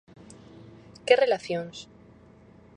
Que relacións?